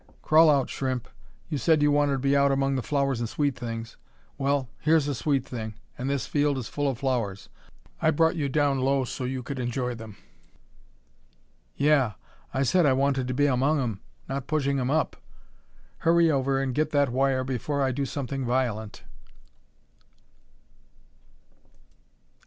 Crawl out, Shrimp. You said you wanted to be out among the flowers and sweet things. Well, here's a sweet thing, and this field is full of flowers. I brought you down low so you could enjoy them." "Yeah! I said I wanted to be among 'em not pushing 'em up. Hurry over and get that wire before I do something violent."